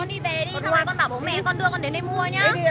con đi về đi rồi con bảo bố mẹ con đưa con đến đây mua nhé